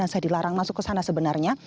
dan saya dilarang masuk ke sana sebenarnya